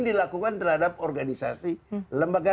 dilakukan terhadap organisasi lembaga